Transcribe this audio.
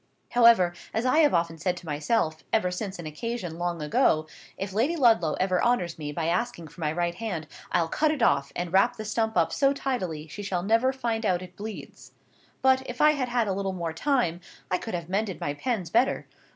However, as I have often said to myself, ever since an occasion long ago, if Lady Ludlow ever honours me by asking for my right hand, I'll cut it off, and wrap the stump up so tidily she shall never find out it bleeds. But, if I had had a little more time, I could have mended my pens better.